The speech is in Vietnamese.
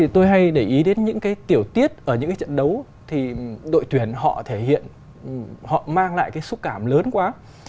tôi hay để ý đến những kiểu tiết ở những trận đấu thì đội tuyển họ thể hiện họ mang lại cái xúc cảm lớn quá